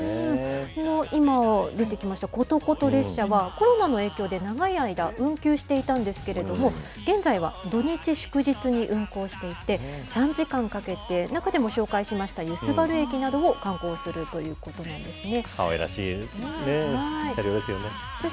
今出てきましたことこと列車は、コロナの影響で長い間、運休していたんですけれども、現在は土日祝日に運行していて、３時間かけて、中でも紹介しました油須原駅などを観光するということなんですね。